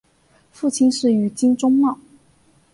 父亲是宇津忠茂。